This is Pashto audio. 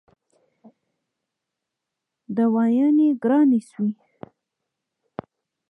دوايانې ګرانې شوې